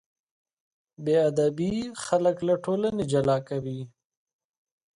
بېادبي خلک له ټولنې جلا کوي.